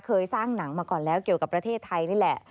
เคยสร้างหนังมาก่อนแล้วเกี่ยวกับประเทศไทยนี่แหละ